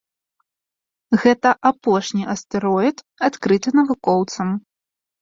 Гэта апошні астэроід, адкрыты навукоўцам.